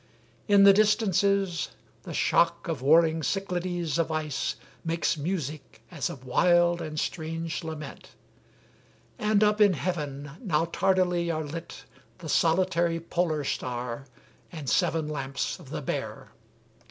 In the distances The shock of warring Cyclades of ice Makes music as of wild and strange lament; And up in heaven now tardily are lit The solitary polar star and seven Lamps of the bear.